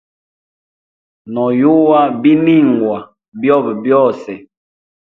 No yuwa biningwa byobe byose.